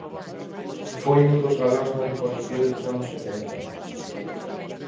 Foi un dos galáns máis recoñecidos dos anos setenta.